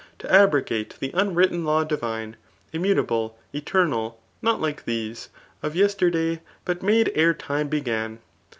To abrogate th* unwritten law divine, Immutable, eternal, not like these. Of yesterday, but made ere time began.